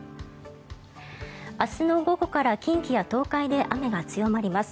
明日の午後から近畿や東海で雨が強まります。